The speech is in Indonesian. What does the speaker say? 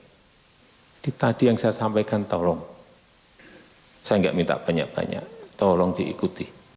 jadi tadi yang saya sampaikan tolong saya enggak minta banyak banyak tolong diikuti